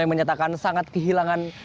yang menyatakan sangat kehilangan